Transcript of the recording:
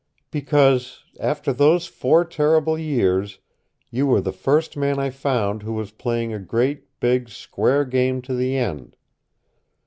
"Because, after those four terrible years, you were the first man I found who was playing a great, big, square game to the end.